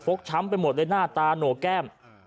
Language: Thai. ช้ำไปหมดเลยหน้าตาโหนกแก้ม